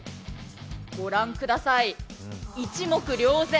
御覧ください、一目瞭然。